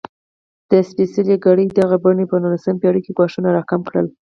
د سپېڅلې کړۍ دغې بڼې په نولسمه پېړۍ کې ګواښونه راکم کړل.